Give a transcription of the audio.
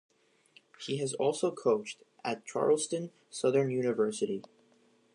He has also coached at Charleston Southern University.